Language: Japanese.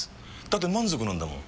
だって満足なんだもん。